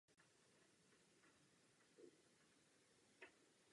U jejího dvora působil například astronom Franz Xaver von Zach.